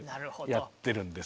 やってるんですよ。